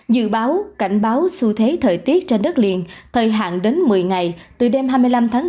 dự báo cảnh báo xu thế thời tiết trên đất liền thời hạn đến một mươi ngày từ đêm hai mươi năm tháng bốn đến ngày mùng năm tháng năm